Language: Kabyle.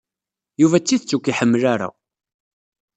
Yuba d tidet ur k-iḥemmel ara.